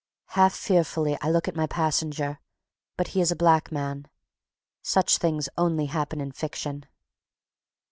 Half fearfully I look at my passenger, but he is a black man. Such things only happen in fiction.